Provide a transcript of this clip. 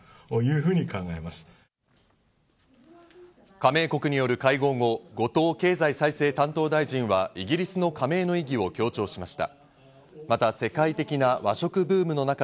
加盟国による会合後、後藤経済再生担当大臣はイギリスの加盟の意義を強調しました。